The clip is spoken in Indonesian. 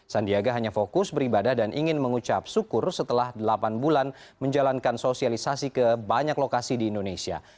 sandiaga hanya fokus beribadah dan ingin mengucap syukur setelah delapan bulan menjalankan sosialisasi ke banyak lokasi di indonesia